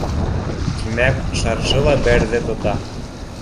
— Тимәк, шаршыла бәрҙе тота